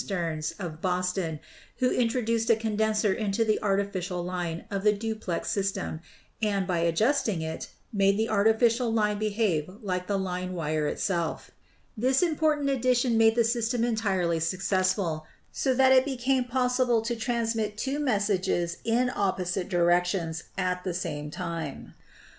Stearns,, of Boston, who introduced a condenser into the artificial line of the duplex system and, by adjusting it, made the artificial line behave like the line wire itself. This important addition made the 302 ELECTRICITY system entirely successful, so that it became possible to transmit two messages in opposite directions at the same time.